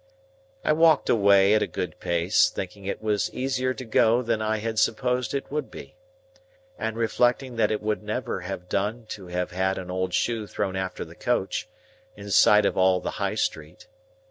I walked away at a good pace, thinking it was easier to go than I had supposed it would be, and reflecting that it would never have done to have had an old shoe thrown after the coach, in sight of all the High Street.